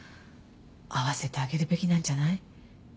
会わせてあげるべきなんじゃない？